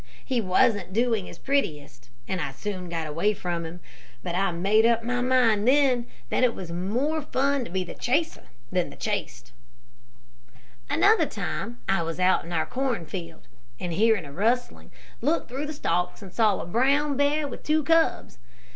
He wasn't doing his prettiest, and I soon got away from him, but I made up my mind then, that it was more fun to be the chaser than the chased. "Another time I was out in our cornfield, and hearing a rustling, looked through the stalks, and saw a brown bear with two cubs.